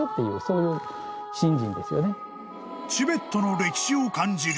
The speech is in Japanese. ［チベットの歴史を感じる］